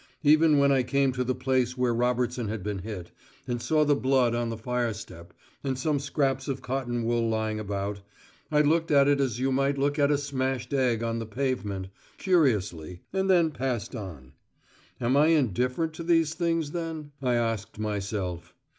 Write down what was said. Even when I came to the place where Robertson had been hit, and saw the blood on the fire step, and some scraps of cotton wool lying about, I looked at it as you might look at a smashed egg on the pavement, curiously, and then passed on. "Am I indifferent to these things, then?" I asked myself.